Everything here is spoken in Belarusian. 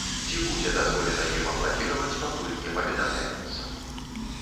Ці будзе дазволена ім апладзіраваць, пакуль не паведамляецца.